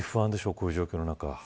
こういう状況の中。